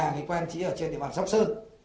và người quen chỉ ở trên địa bàn sóc sơn